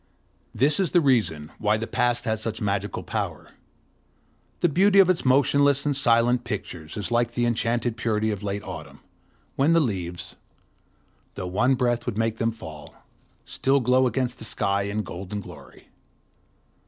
This is the reason why the Past has such magical power. The beauty of its motionless and silent pictures is like the enchanted purity of late autumn, when the leaves, though one breath would make them fall, still glow against the sky in golden glory.